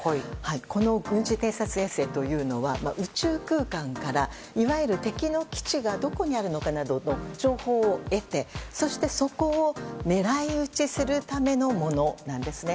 この軍事偵察衛星は宇宙空間からいわゆる敵の基地がどこにあるのかなどの情報を得てそしてそこを狙い撃ちするためのものなんですね。